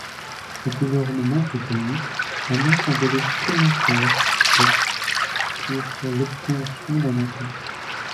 Le gouvernement britannique annonce un délai supplémentaire de pour l'obtention d'un accord.